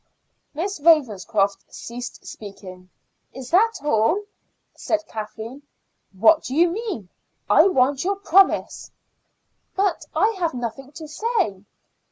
Miss Ravenscroft ceased speaking. "Is that all?" said Kathleen. "What do you mean? I want your promise." "But I have nothing to say."